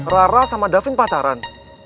rara sama davin pacaran